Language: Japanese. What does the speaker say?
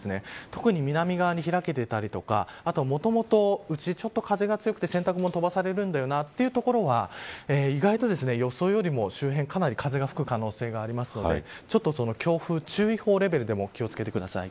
特に南側にひらけていたりとかあと、もともとちょっと風が強くて洗濯物が飛ばされるんだよなという所は意外と予想よりも周辺にかなり風が続く可能性があるので強風注意報レベルでも気を付けてください。